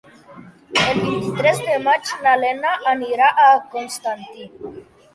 El vint-i-tres de maig na Lena anirà a Constantí.